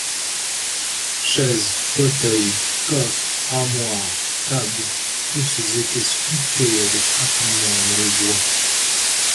Chaises, fauteuils, coffre, armoire, table, tous étaient sculptés avec raffinement dans le bois.